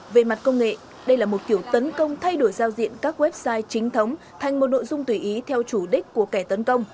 về mặt công nghệ đây là một kiểu tấn công thay đổi giao diện các website chính thống thành một nội dung tùy ý theo chủ đích của kẻ tấn công